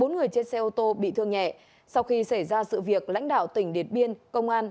bốn người trên xe ô tô bị thương nhẹ sau khi xảy ra sự việc lãnh đạo tỉnh điện biên công an